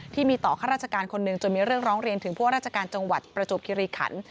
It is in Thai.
ที่มีต่อข้าราชการคนหนึ่งจนมีเรื่องร้องเรียนถึงพวกราชการจังหวัดประจวบคิริขัน